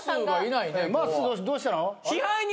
まっすーどうしたの？